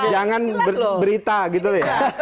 jangan berita gitu ya